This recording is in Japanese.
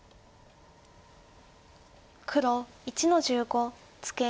黒１の十五ツケ。